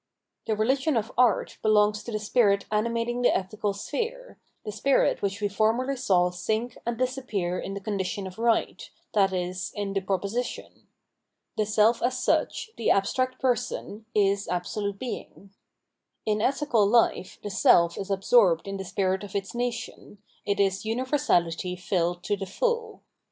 761 Revealed Religion Tlie religion of art belongs to the spirit animating the ethical sphere,* the spirit which we formerly saw sink and disappear in the condition of right, i.e. in the proposition :" The self as snch, the abstract person, is absolute Being." In ethical hfe the self is absorbed in the spirit of its nation, it is umversahty filled to the full.